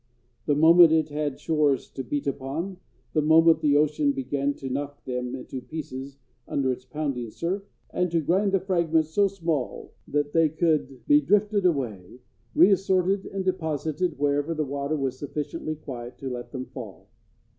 The moment it had shores to beat upon, that moment the ocean began to knock them to pieces under its pounding surf, and to grind the fragments so small that they could be drifted away, reassorted, and deposited wherever the water was sufficiently quiet to let them fall.